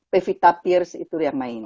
pevita pierce itu yang main